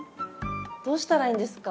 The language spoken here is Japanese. どうしたらいいんですか？